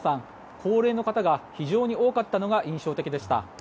高齢の方が非常に多かったのが印象的でした。